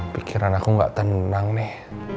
pikiran aku gak tenang nih